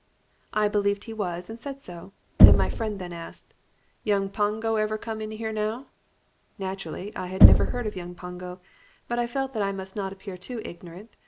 "I believed he was and said so, and my friend then asked: "'Young Pongo ever come in here now?' "Naturally I had never heard of young Pongo, but I felt that I must not appear too ignorant.